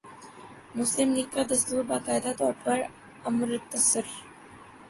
مسلم لیگ کا دستور باقاعدہ طور پر امرتسر